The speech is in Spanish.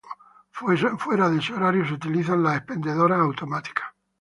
Fuera de ese horario se utilizan las expendedoras automáticas.